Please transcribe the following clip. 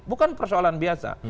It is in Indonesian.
bukan persoalan biasa